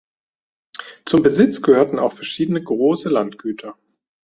Zum Besitz gehörten auch verschiedene große Landgüter.